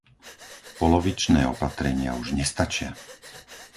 Polovičné opatrenia už nestačia.